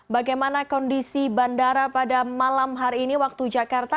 bagaimana kondisi bandara pada malam hari ini waktu jakarta